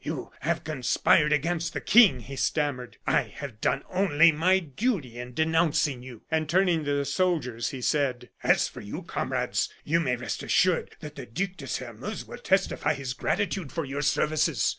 "You have conspired against the King," he stammered. "I have done only my duty in denouncing you." And turning to the soldiers, he said: "As for you, comrades, you may rest assured that the Duc de Sairmeuse will testify his gratitude for your services."